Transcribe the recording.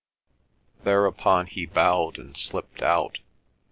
Thereupon he bowed and slipped out.